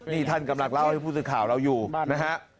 นี่ท่านกำลังเล่าให้ผู้สื่อข่าวเราอยู่นะฮะ